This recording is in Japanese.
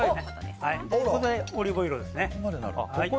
ここでオリーブオイルです。